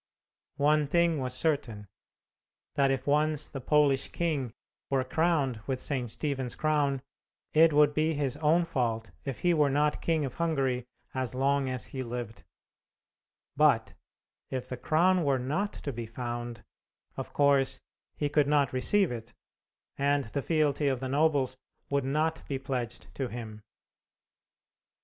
One thing was certain, that if once the Polish King were crowned with St. Stephen's crown, it would be his own fault if he were not King of Hungary as long as he lived; but if the crown were not to be found, of course he could not receive it, and the fealty of the nobles would not be pledged to him.